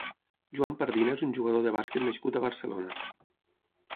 Joan Pardina és un jugador de bàsquet nascut a Barcelona.